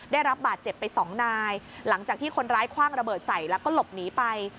ได้รับบาดเจ็บไปสองนายหลังจากที่คนร้ายคว่างระเบิดใส่แล้วก็หลบหนีไป